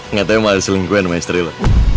nggak tau yang mau diselingkuhin sama istri lo